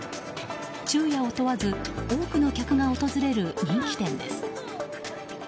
昼夜を問わず多くの客が訪れる人気店です。